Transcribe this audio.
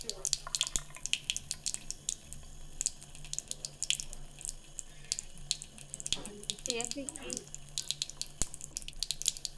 Washington siku ya Alhamis iliionya Moscow kuhusu kile ambacho baadhi ya waangalizi